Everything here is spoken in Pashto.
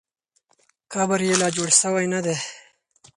قبر یې لا جوړ سوی نه دی.